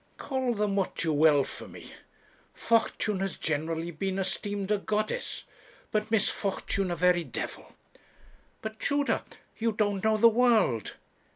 'Call them what you will for me. Fortune has generally been esteemed a goddess, but misfortune a very devil. But, Tudor, you don't know the world.